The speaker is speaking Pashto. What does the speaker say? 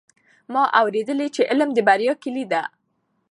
ما اورېدلي چې علم د بریا کیلي ده.